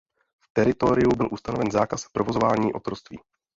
V teritoriu byl ustanoven zákaz provozování otroctví.